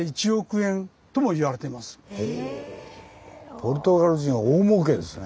ポルトガル人は大もうけですね。